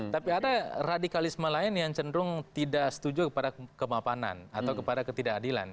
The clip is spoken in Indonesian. tapi ada radikalisme lain yang cenderung tidak setuju kepada kemapanan atau kepada ketidakadilan